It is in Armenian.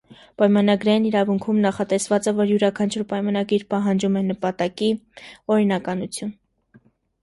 Պայմանագրային իրավունքում նախատեսված է, որ յուրաքանչյուր պայմանագիր պահանջում է նպատակի օրինականություն։